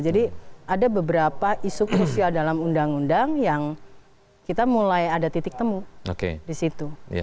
jadi ada beberapa isu krusial dalam undang undang yang kita mulai ada titik temu di situ